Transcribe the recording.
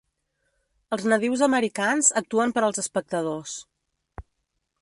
Els nadius americans actuen per als espectadors